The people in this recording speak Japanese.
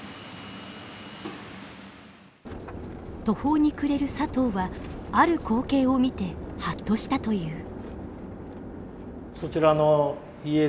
途方に暮れる佐藤はある光景を見てはっとしたという。